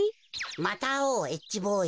またあおうＨボーイ。